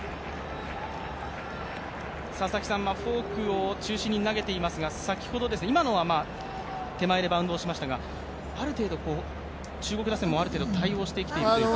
フォークを中心に投げていますが今のは手前でバウンドしましたが、中国打線もある程度対応してきているというか。